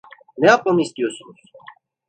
Ne yapmamı istiyorsunuz?